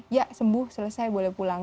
ya sembuh selesai boleh pulang